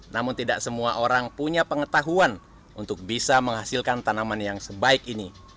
namun tidak semua orang punya pengetahuan untuk bisa menghasilkan tanaman yang sebaik ini